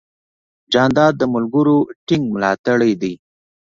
جانداد د ملګرو ټینګ ملاتړ دی.